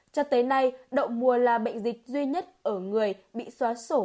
cho tới nay đậu mùa là bệnh dịch duy nhất ở người bị xóa sổ